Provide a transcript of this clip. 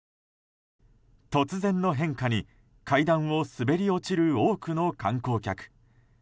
突然の変化に階段を滑り落ちる多くの観光客。